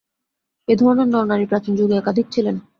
এ-ধরনের নরনারী প্রাচীনযুগে একাধিক ছিলেন।